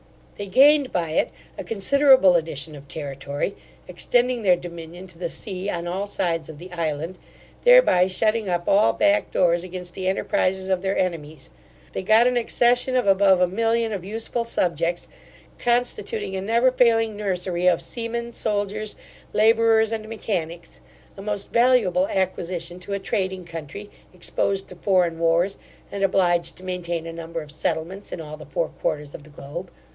They gained by it a considerable addition of territory, extending their dominion to the sea on all sides of the island, thereby shutting up all back doors against the enterprizes of their enemies. They got an accession of above a million of useful subjects, constituting a never failing nursery of seamen, soldiers, labourers, and mechanics; a most valuable acquisition to a trading country, exposed to foreign wars, and obliged to maintain a number of settlements in all the four quarters of the globe.